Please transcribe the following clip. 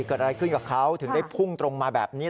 เกิดอะไรขึ้นกับเขาถึงได้พุ่งตรงมาแบบนี้